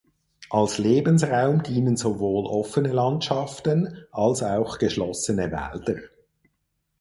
Als Lebensraum dienen sowohl offene Landschaften als auch geschlossene Wälder.